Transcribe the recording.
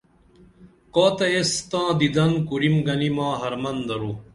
کاتہ ایس تاں دِدن کُرِم گنی ماں حرمن درو